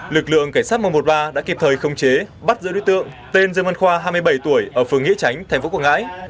lực lượng cảnh sát một trăm một mươi ba đã kịp thời khống chế bắt giữ đối tượng tên dương văn khoa hai mươi bảy tuổi ở phường nghĩa chánh tp hcm